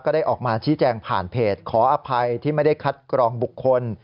ได้ออกมาชี้แจงผ่านเพจขออภัยที่ไม่ได้คัดกรองบุคคล